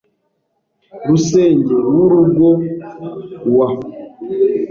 Rusenge w’Urugo w’